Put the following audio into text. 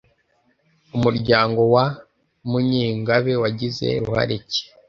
Umuryango wa Munyengabe wagize ruhare ki